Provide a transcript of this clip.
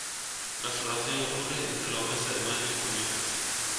La floración ocurre entre los meses de mayo y junio.